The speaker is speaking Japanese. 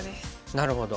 なるほど。